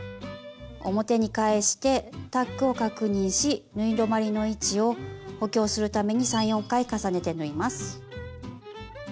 表に返してタックを確認し縫い止まりの位置を補強するために３４回重ねて縫います。